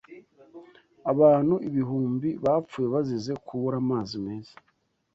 Abantu ibihumbi bapfuye bazize kubura amazi meza